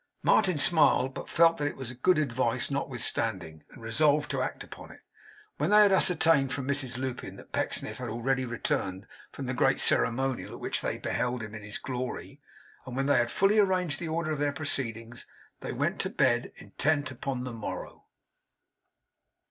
Martin smiled, but felt that it was good advice notwithstanding, and resolved to act upon it. When they had ascertained from Mrs Lupin that Pecksniff had already returned from the great ceremonial at which they had beheld him in his glory; and when they had fully arranged the order of their proceedings; they went to bed, intent upon the morrow.